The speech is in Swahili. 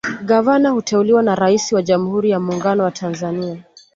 Gavana huteuliwa na Rais wa Jamhuri ya Mungano wa Tanzania